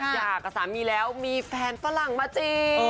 อยากกับสามีแล้วมีแฟนฝรั่งมาจริง